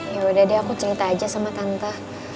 ya udah deh aku cerita aja sama tante